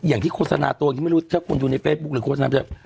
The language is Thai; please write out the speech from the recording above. อย่างที่โฆษณาตัวไม่รู้ถ้าคุณอยู่ในเฟสบุ๊คหรือโฆษณา